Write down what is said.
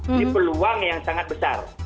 ini peluang yang sangat besar